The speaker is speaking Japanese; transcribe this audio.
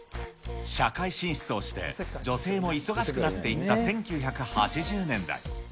社会進出をして女性も忙しくなっていった１９８０年代。